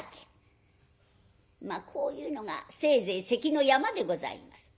まあこういうのがせいぜい関の山でございます。